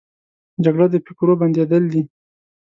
جګړه د فکرو بندېدل دي